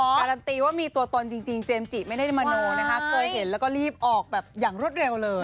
การันตีว่ามีตัวตนจริงเจมส์จิไม่ได้มโนนะคะเคยเห็นแล้วก็รีบออกแบบอย่างรวดเร็วเลย